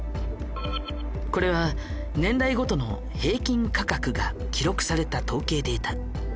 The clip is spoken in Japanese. これは年代ごとの平均価格が記録された統計データ。